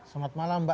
selamat malam mbak